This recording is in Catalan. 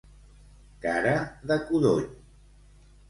Cara de codony.